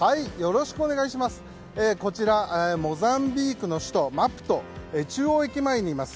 モザンビークの首都マプト中央駅前にいます。